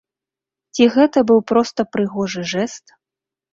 Ці гэта быў проста прыгожы жэст?